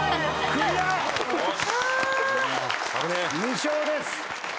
２笑です。